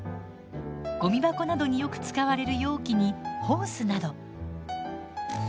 ゴミ箱などによく使われる容器にホースなど。